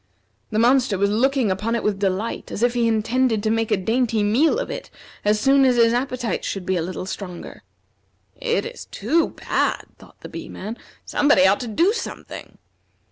The monster was looking upon it with delight, as if he intended to make a dainty meal of it as soon as his appetite should be a little stronger. "It is too bad!" thought the Bee man. "Somebody ought to do something."